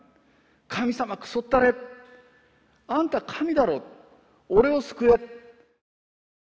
神様くそったれあんた神だろ俺を救え。